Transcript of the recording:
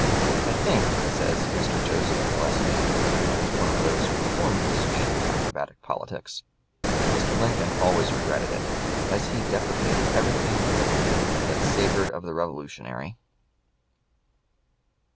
"I think," says Mr. Joseph Gillespie, who was one of those who performed this feat of acrobatic politics, "Mr. Lincoln always regretted it, as he deprecated everything that savored of the revolutionary."